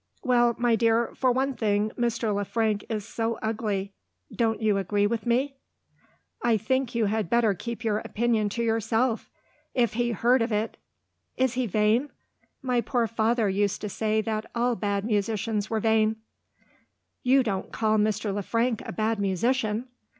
"Well, my dear, for one thing Mr. Le Frank is so ugly. Don't you agree with me?" "I think you had better keep your opinion to yourself. If he heard of it " "Is he vain? My poor father used to say that all bad musicians were vain." "You don't call Mr. Le Frank a bad musician?"